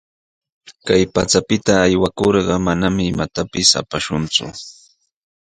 Kay pachapita aywakurqa, manami imatapis apakushunku.